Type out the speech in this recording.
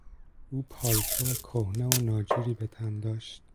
او پالتو کهنه و ناجوری بتن داشت.